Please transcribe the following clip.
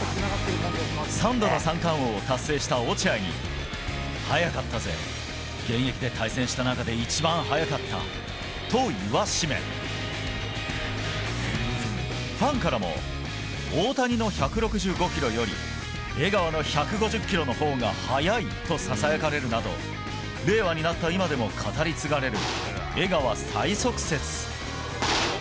３度の三冠王を達成した落合に速かったぜ現役で対戦した中で一番速かったと言わしめファンからも大谷の１６５キロより江川の１５０キロのほうが速いとささやかれるなど令和になった今でも語り継がれる江川最速説。